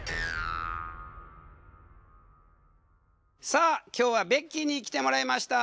さあ今日はベッキーに来てもらいました。